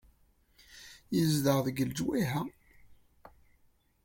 Yezdeɣ deg lejwayeh-a.